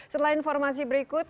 setelah informasi berikut